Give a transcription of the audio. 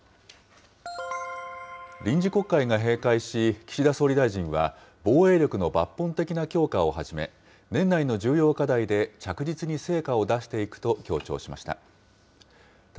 臨時国会が閉会し、岸田総理大臣は、防衛力の抜本的な強化をはじめ、年内の重要課題で着実に成果を出していくと強調しました。